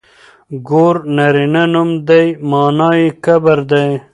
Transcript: ګور نرينه نوم دی مانا يې کبر دی.